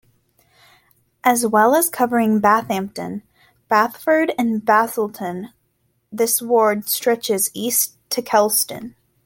As well as covering "Bathampton", Bathford and Batheaston this ward stretches east to Kelston.